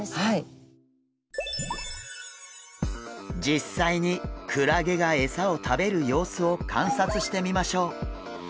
実際にクラゲがエサを食べる様子を観察してみましょう。